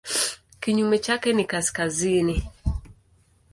Kinyume chake ni kaskazini.